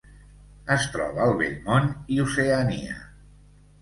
Es troba al Vell Món i Oceania.